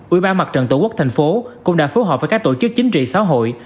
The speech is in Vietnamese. ủy ban mặt trận tổ quốc thành phố cũng đã phối hợp với các tổ chức chính trị xã hội